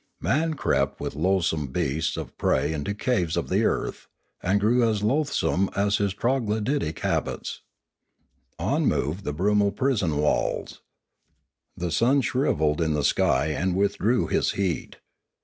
Man crept with loathsome beasts of prey into caves of the earth, and grew as loathsome in his troglody tic habits. On moved the brumal prison walls. The sun shrivelled in the sky and withdrew his heat.